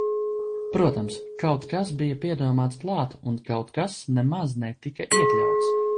Protams, kaut kas bija piedomāts klāt un kaut kas nemaz netika iekļauts.